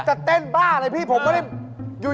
จะเต้นบ้าอะไรพี่ผมไม่ได้อยู่